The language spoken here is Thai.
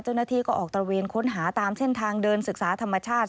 เจ้าหน้าที่ก็ออกตระเวนค้นหาตามเส้นทางเดินศึกษาธรรมชาติ